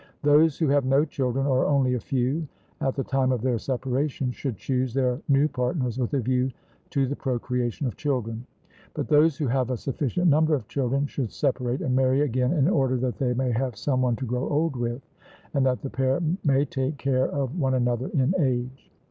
Those who have no children, or only a few, at the time of their separation, should choose their new partners with a view to the procreation of children; but those who have a sufficient number of children should separate and marry again in order that they may have some one to grow old with and that the pair may take care of one another in age.